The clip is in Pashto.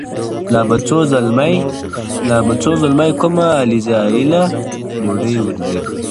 لا به څو زلمۍ کومه عزراییله بوډۍ ورځي -